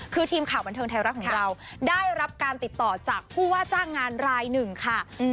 คือทีมข่าวบันเทิงไทยรัฐของเราได้รับการติดต่อจากผู้ว่าจ้างงานรายหนึ่งค่ะ